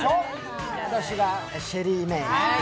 私はシェリーメイ。